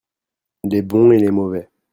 les bons et les mauvais.